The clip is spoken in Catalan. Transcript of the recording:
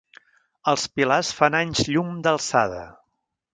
Els pilars fan anys llum d'alçada.